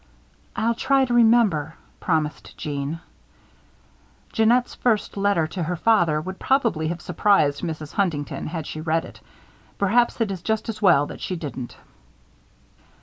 "I'll try to remember," promised Jeanne. Jeannette's first letter to her father would probably have surprised Mrs. Huntington had she read it. Perhaps it is just as well that she didn't.